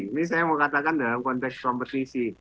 ini saya mau katakan dalam konteks kompetisi